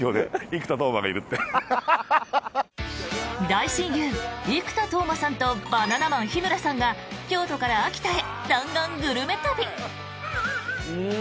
大親友、生田斗真さんとバナナマン・日村さんが京都から秋田へ弾丸グルメ旅！